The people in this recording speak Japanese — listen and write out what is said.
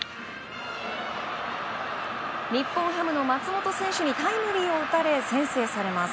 日本ハムの松本選手にタイムリーを打たれ先制されます。